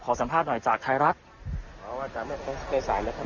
ขอสัมภาษณ์หน่อยจากไทยรัฐอ๋อจากแม่แม่สายแล้วครับ